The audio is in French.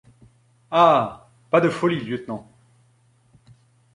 Ah pas de folie, lieutenant